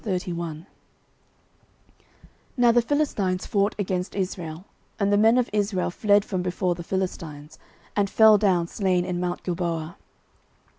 09:031:001 Now the Philistines fought against Israel: and the men of Israel fled from before the Philistines, and fell down slain in mount Gilboa.